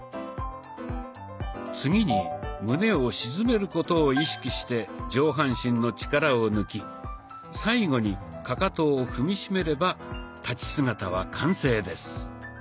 次に胸を沈めることを意識して上半身の力を抜き最後にかかとを踏みしめれば立ち姿は完成です。